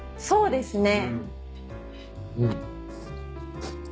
そうです。